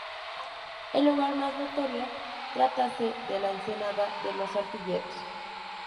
El lugar mas notorio tratase de la Ensenada de los Artilleros.